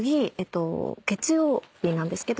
月曜日なんですけど。